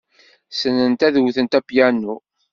Ssnent ad wtent apyanu.